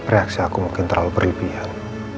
reaksi aku mungkin terlalu berlebihan